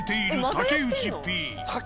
竹内Ｐ。